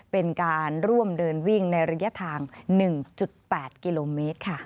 เป็นการร่วมเดินวิ่งในระยะทาง๑๘กิโลเมตรค่ะ